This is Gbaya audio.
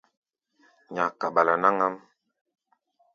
Nyak kaɓala náŋ-ám.